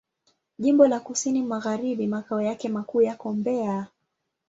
Jimbo la Kusini Magharibi Makao yake makuu yako Mbeya.